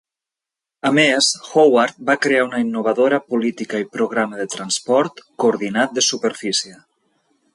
A més, Howard va crear una innovadora política i programa de transport coordinat de superfície.